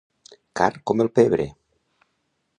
Car com el pebre.